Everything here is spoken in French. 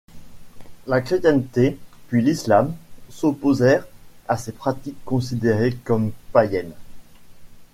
La chrétienté, puis l'islam, s'opposèrent à ces pratiques considérées comme païennes.